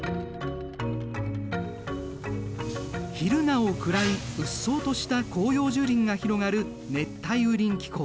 昼なお暗いうっそうとした広葉樹林が広がる熱帯雨林気候。